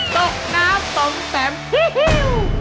ตกน้ำตมแสมฮิ่ยฮิ่ย